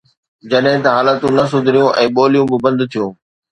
جڏهن ته حالتون نه سڌريون ۽ ٻوليون به بند ٿيون.